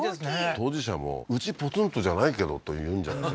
当事者も「うちポツンとじゃないけど」と言うんじゃないの？